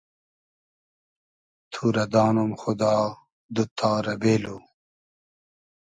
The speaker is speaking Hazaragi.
تو رۂ دانوم خودا دوتتا رۂ بېلو